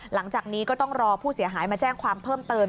หลังจากนี้ก็ต้องรอผู้เสียหายมาแจ้งความเพิ่มเติม